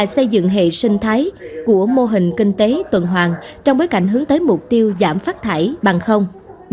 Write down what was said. xây dựng hệ sinh thái của mô hình kinh tế tuần hoàng trong bối cảnh hướng tới mục tiêu giảm phát thải bằng không